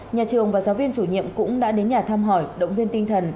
nhà trường và giáo viên chủ nhiệm cũng đã đến nhà thăm hỏi động viên tinh thần